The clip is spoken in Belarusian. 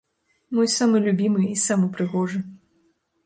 Мой самы любімы і самы прыгожы.